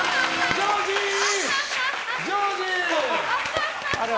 ジョージー！